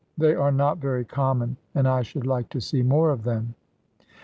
They are not very common; and I should like to see more of them.